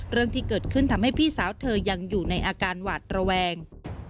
เรื่องที่เกิดขึ้นทำให้พี่สาวเธอยังอยู่ในอาการหวาดระแวง